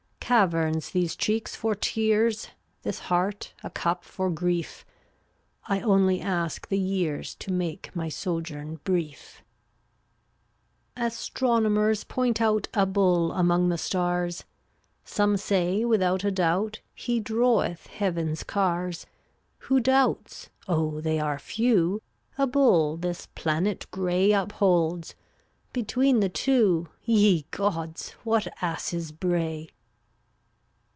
Caverns these cheeks for tears, This heart a cup for grief; 1 only ask the years To make my sojourn brief. n b\m$ &}\\l&t Astronomers point out „ A Bull among the stars; \JvCz Some say, without a doubt, He draweth Heaven's cars. Who doubts (oh, they are few) A bull this planet gray Upholds? Between the two, Ye gods! what asses bray.